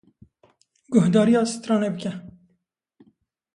Guhdarîya sitranê bike.